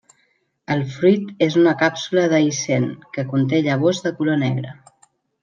El fruit és una càpsula dehiscent, que conté llavors de color negre.